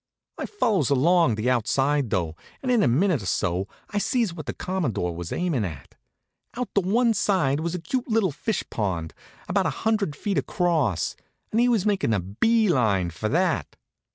I follows along on the outside though, and in a minute or so I sees what the Commodore was aimin' at. Out to one side was a cute little fish pond, about a hundred feet across, and he was makin' a bee line for that.